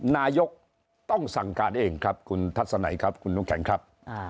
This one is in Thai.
นายกต้องสั่งการเองครับคุณทัศนัยครับคุณน้ำแข็งครับ